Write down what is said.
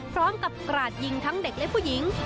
พร้อมกับกราดยิงทั้งเด็กและผู้หญิง